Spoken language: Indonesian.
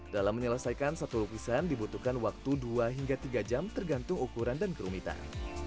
dalam menyelesaikan satu lukisan dibutuhkan waktu dua hingga tiga jam tergantung ukuran dan kerumitan